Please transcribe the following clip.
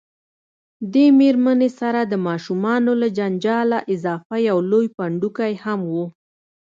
دې میرمنې سره د ماشومانو له جنجاله اضافه یو لوی پنډکی هم و.